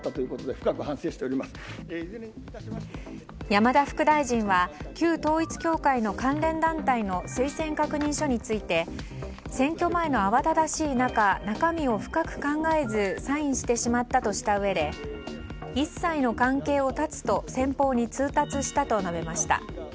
山田副大臣は旧統一教会の関連団体の推薦確認書について選挙前の慌ただしい中中身を深く考えずサインしてしまったとしたうえで一切の関係を断つと先方に通達したと述べました。